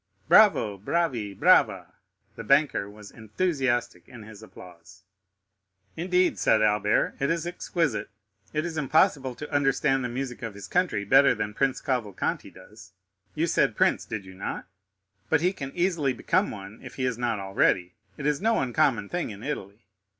Bravo, bravi, brava!" The banker was enthusiastic in his applause. 40054m "Indeed," said Albert, "it is exquisite; it is impossible to understand the music of his country better than Prince Cavalcanti does. You said prince, did you not? But he can easily become one, if he is not already; it is no uncommon thing in Italy.